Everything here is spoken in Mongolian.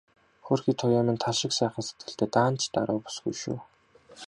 Хөөрхий Туяа минь тал шиг сайхан сэтгэлтэй, даанч даруу бүсгүй шүү.